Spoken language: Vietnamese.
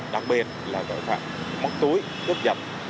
đặc biệt là tội phạm mất túi rước dập